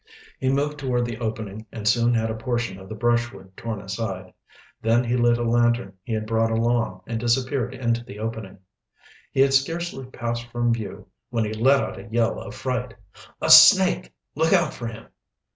He moved toward the opening and soon had a portion of the brushwood torn aside. Then he lit a lantern he had brought along and disappeared into the opening. He had scarcely passed from view when he let out a yell of fright. "A snake! Look out for him!"